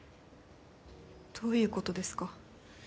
どういうことですか？